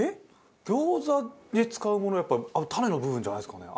餃子で使うものやっぱタネの部分じゃないですかね。